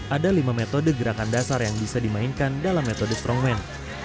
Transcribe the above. ada lima metode gerakan dasar yang bisa dimainkan dalam metode strongman